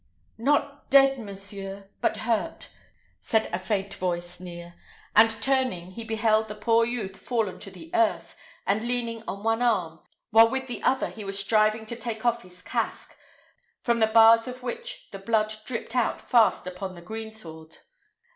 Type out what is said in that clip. "Not dead, monseigneur, but hurt," said a faint voice near; and turning, he beheld the poor youth fallen to the earth, and leaning on one arm, while with the other he was striving to take off his casque, from the bars of which the blood dripped out fast upon the greensward.